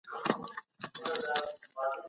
بهرنۍ تګلاره یوازي د اقتصادي ګټو لپاره نه ده.